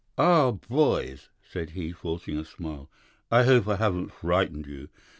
"'Ah, boys,' said he, forcing a smile, 'I hope I haven't frightened you.